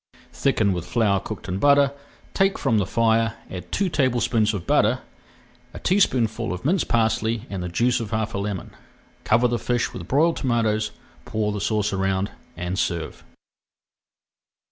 Thicken with flour cooked in butter, take from the fire, add two tablespoonfuls of butter, a teaspoonful of minced parsley, and the juice of half a lemon. Cover the fish with broiled tomatoes, pour the sauce around, and serve.